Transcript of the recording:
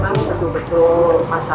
nah bisa kita lihat kapasitasnya